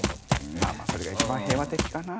まぁまぁそれが一番平和的かな。